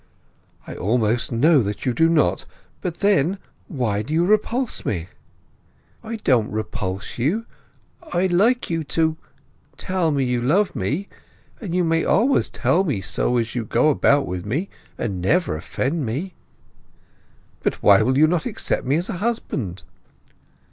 "I almost know that you do not. But then, why do you repulse me?" "I don't repulse you. I like you to—tell me you love me; and you may always tell me so as you go about with me—and never offend me." "But you will not accept me as a husband?"